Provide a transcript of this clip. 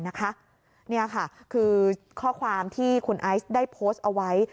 นี่ค่ะคือข้อความที่คุณไอซ์ได้โพสต์เอาไว้